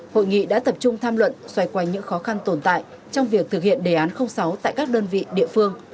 hội nghị đã tập trung tham luận xoay quanh những khó khăn tồn tại trong việc thực hiện đề án sáu tại các đơn vị địa phương